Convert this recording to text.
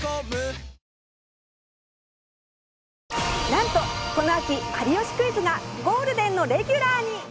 なんとこの秋『有吉クイズ』がゴールデンのレギュラーに！